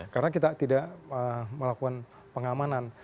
karena kita tidak melakukan pengamanan